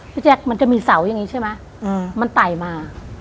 แจ๊คมันจะมีเสาอย่างนี้ใช่ไหมมันไต่มา